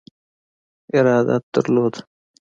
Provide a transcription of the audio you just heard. ارادت درلود.